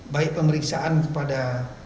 baik pemeriksaan kepada